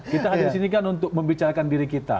kita hadir di sini kan untuk membicarakan diri kita